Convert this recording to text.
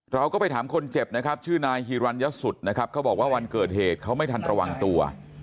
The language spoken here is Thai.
เราก็ไปถามคนเจ็บนะครับชื่อนายฮิรัญสุดนะครับเขาบอกว่าวันเกิดเหตุเขาไม่ทันระวังตัว